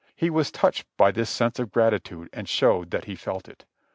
He was touched by this sense of gratitude and showed that he felt it.